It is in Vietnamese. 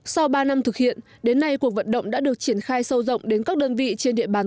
sau ba năm thực hiện đến nay cuộc vận động đã được triển khai sâu rộng đến các đơn vị trên địa bàn